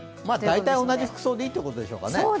大体同じ服装でいいということでしょうかね。